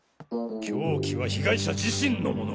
凶器は被害者自身のもの！？